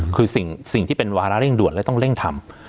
คือสิ่งที่เป็นวาระเร่งด่วนและต้องเร่งทำ